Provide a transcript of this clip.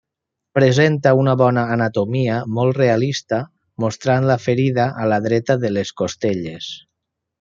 Presenta una bona anatomia molt realista, mostrant la ferida a la dreta de les costelles.